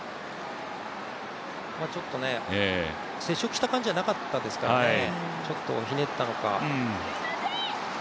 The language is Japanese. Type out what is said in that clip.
ちょっと接触した感じじゃなかったですからね、ちょっとひねったのか。